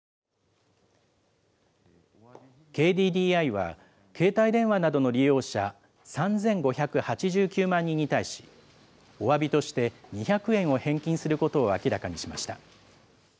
ＫＤＤＩは、携帯電話などの利用者３５８９万人に対し、おわびとして２００円を返金することを明らかにしました。